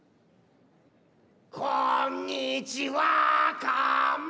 こんにちわかめ。